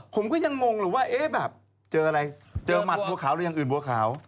ผมก็ยังงงอยู่ว่าเอ๊ะแบบเจออะไรเจอหมัดบัวขาวหรืออย่างอื่นบัวขาว